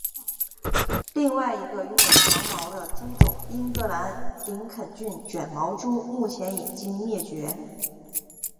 另外一个拥有长毛的猪种英格兰林肯郡卷毛猪目前已经灭绝。